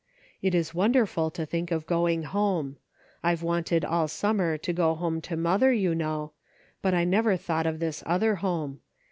It is wonderful to think of going home : I've wanted all summer to go home to mother, you know, but I never thought of this other home.